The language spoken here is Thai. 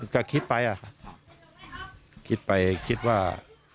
ก็คิดไปคิดไปขึ้นว่า